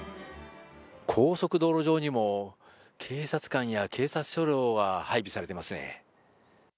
高速道路上にも警察官や警察車両が配備されていますね。